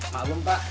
gak belum pak